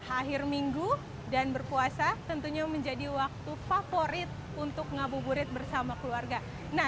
akhir minggu dan berpuasa tentunya menjadi waktu favorit untuk ngabuburit bersama keluarga nah